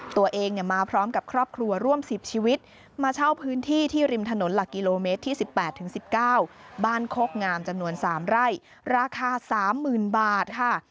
ตัวเองมาพร้อมกับครอบครัวร่วม๑๐ชีวิตมาเช่าพื้นที่ที่ริมถนนหลักกิโลเมตรที่๑๘๑๙บ้านโคกงามจำนวน๓ไร่ราคา๓๐๐๐บาทค่ะ